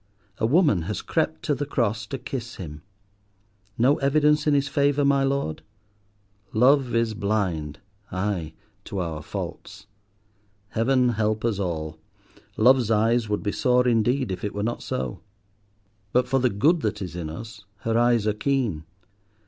A woman has crept to the cross to kiss him: no evidence in his favour, my Lord? Love is blind aye, to our faults. Heaven help us all; Love's eyes would be sore indeed if it were not so. But for the good that is in us her eyes are keen.